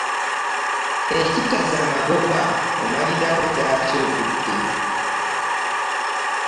Ekitazza magoba omalirako kyaki obudde?